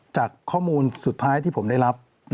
จากข้อมูลสุดท้ายที่ผมได้รับ